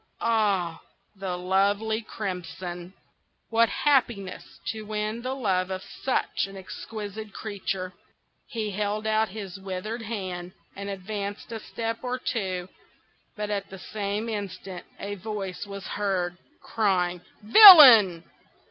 Ah! the lovely Crimson! What happiness to win the love of such an exquisite creature!" He held out his withered hand, and advanced a step or two; but at the same instant a voice was heard, crying, "Villain!